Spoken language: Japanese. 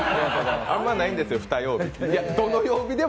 あんまないんですよ、ふた曜日。